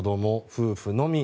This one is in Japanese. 夫婦のみ。